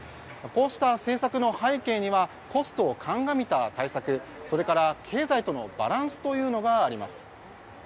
こうした政策の背景にはコストを鑑みた対策それから経済とのバランスがあります。